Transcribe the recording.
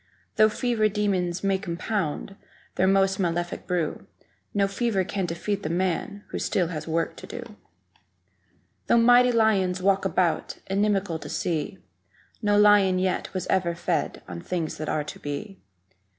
Though fever demons may compound Their most malefic brew, No fever can defeat the man Who still has work to do; 1831 Though mighty lions walk about, Inimical to see, No lion yet was ever fed On things that are to be.